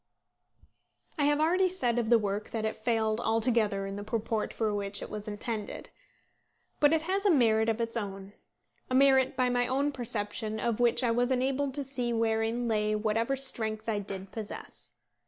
I have already said of the work that it failed altogether in the purport for which it was intended. But it has a merit of its own, a merit by my own perception of which I was enabled to see wherein lay whatever strength I did possess.